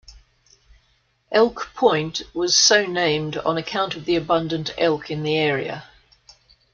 Elk Point was so named on account of the abundant elk in the area.